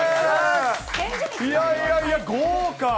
いやいやいや、豪華。